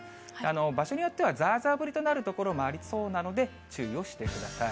場所によっては、ざーざー降りとなる所もありそうなので、注意をしてください。